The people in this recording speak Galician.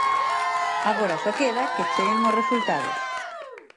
Agora só queda que cheguen os resultados.